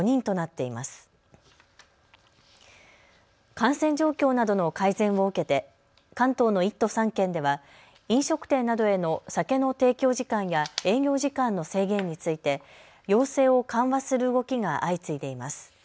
感染状況などの改善を受けて関東の１都３県では飲食店などへの酒の提供時間や営業時間の制限について要請を緩和する動きが相次いでいます。